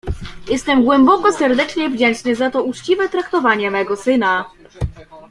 "Jestem głęboko, serdecznie wdzięczny za to uczciwe traktowanie mego syna."